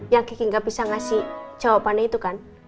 yang kiki nggak bisa ngasih jawabannya itu kan